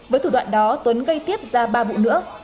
với thủ đoạn đó tuấn gây tiếp ra ba vụ nữa